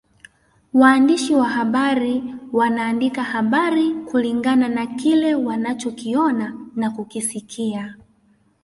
Waandishi wa habari wanaandika habari kulingana na kile wanachokiona na kukisikia